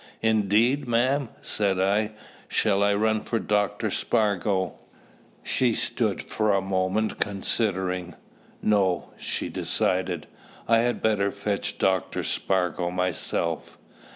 "Indeed, ma'am?" said I. "Shall I run for Dr. Spargo?" She stood for a moment considering. "No," she decided; "I had better fetch Dr. Spargo myself.